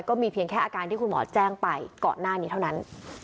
เพียงแค่อาการที่คุณหมอแจ้งไปก่อนหน้านี้เท่านั้น